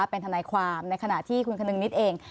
เป็นทนายความในขณะที่คุณคนึงนิดเอง